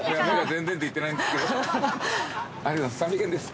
ありがとうございます。